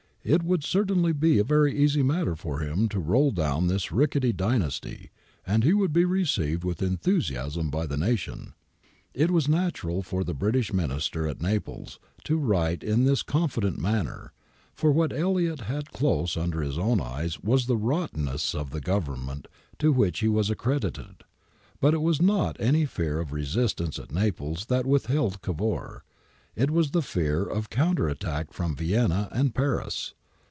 It would certainly be a very easy matter for him to roll down this rickety dynasty, and he would be received with enthusiasm by the nation.'^ It was natural for the British Minister at Naples to write in this confident manner, for what Elliot had close under his own eyes was the rottenness of the Government to which he was accredited. But it was not any fear of resistance at Naples that withheld Cavour ; it was the fear of counter attack from Vienna and Paris.